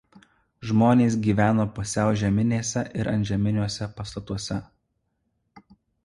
Žmonės gyveno pusiau žeminėse ir antžeminiuose pastatuose.